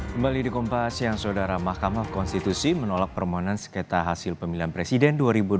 kembali di kompas yang saudara mahkamah konstitusi menolak permohonan sekreta hasil pemilihan presiden dua ribu dua puluh